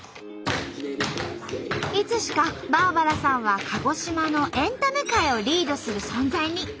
いつしかバーバラさんは鹿児島のエンタメ界をリードする存在に。